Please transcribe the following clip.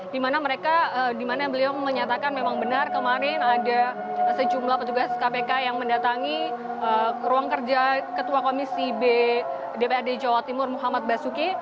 dimana mereka di mana beliau menyatakan memang benar kemarin ada sejumlah petugas kpk yang mendatangi ruang kerja ketua komisi b dprd jawa timur muhammad basuki